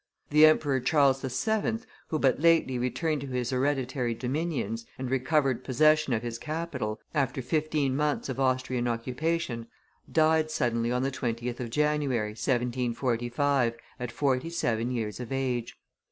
The Emperor Charles VII., who but lately returned to his hereditary dominions, and recovered possession of his capital, after fifteen months of Austrian occupation, died suddenly on the 20th of January, 1745, at forty seven years of age.